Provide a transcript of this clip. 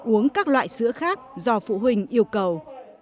uống các loại sữa khác do phụ huynh yêu cầu